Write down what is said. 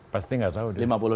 pasti gak tahu